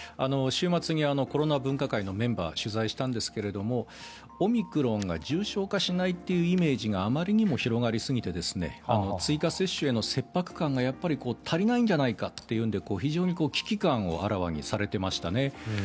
週末にコロナ分科会のメンバーを取材したんですがオミクロンが重症化しないというイメージがあまりにも広がりすぎて追加接種への切迫感がやっぱり足りないんじゃないかというので非常に危機感をあらわにされていましたね。